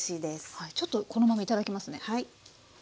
はいちょっとこのまま頂きますね。